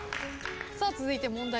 続いて問題